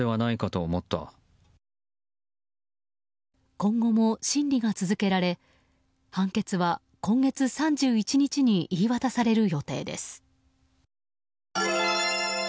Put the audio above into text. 今後も、審理が続けられ判決は今月３１日に言い渡される予定です。